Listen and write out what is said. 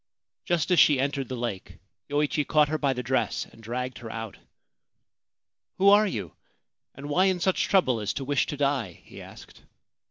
Just as she entered the lake Yoichi caught her by the dress and dragged her out. ' Who are you, and why in such trouble as to wish to die ?' he asked.